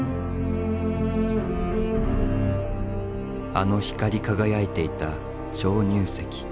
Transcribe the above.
あの光り輝いていた鍾乳石。